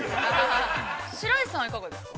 ◆白石さんはいかがですか。